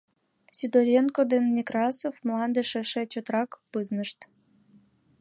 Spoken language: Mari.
Сидоренко ден Некрасов мландыш эше чотрак пызнышт.